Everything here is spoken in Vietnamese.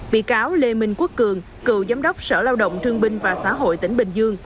bị cáo lê minh quốc cường cựu giám đốc sở lao động thương binh và xã hội tỉnh bình dương